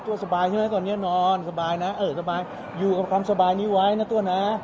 ตัวสบายใช่ไหมตอนนี้นอนสบายนะเออสบายอยู่กับความสบายนี้ไว้นะตัวนะ